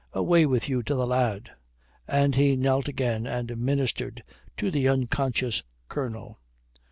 "Away with you to the lad;" and he knelt again and ministered to the unconscious Colonel.